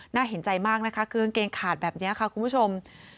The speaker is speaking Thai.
น่าเห็นใจมากนะคะคือกางเกงขาดแบบนี้ค่ะคุณผู้ชม